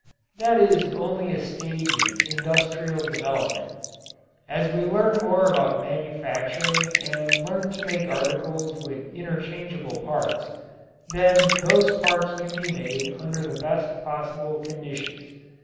That is only a stage in industrial development. As we learn more about manufacturing and learn to make articles with interchangeable parts, then those parts can be made under the best possible conditions.